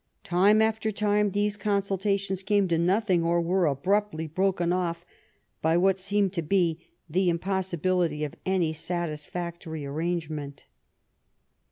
Time after time these consulta tions came to nothing or were abruptly broken off by what seemed to be the impossibility of any satisfactory arrangement.